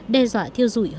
đe dọa thiêu dụi